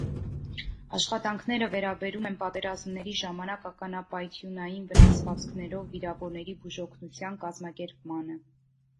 Աշխատանքները վերաբերում են պատերազմների ժամանակ ականապայթյունային վնասվածքներով վիրավորների բուժօգնության կազմակերպմանը։